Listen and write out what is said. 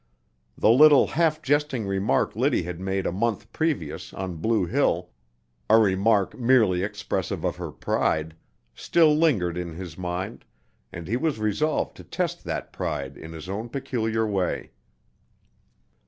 The little, half jesting remark Liddy had made a month previous on Blue Hill a remark merely expressive of her pride still lingered in his mind, and he was resolved to test that pride in his own peculiar way.